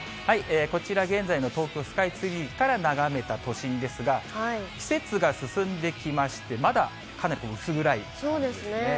こちら現在の東京スカイツリーから眺めた都心ですが、季節進んできまして、そうですね。